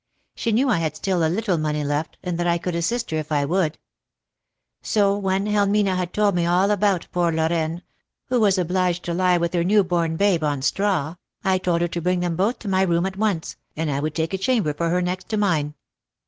She knew I had still a little money left, and that I could assist her if I would; so, when Helmina had told me all about poor Lorraine, who was obliged to lie with her new born babe on straw, I told her to bring them both to my room at once, and I would take a chamber for her next to mine.